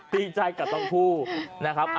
ดีใจกับทั้งคู่นะครับ